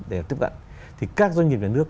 để tiếp cận thì các doanh nghiệp nhà nước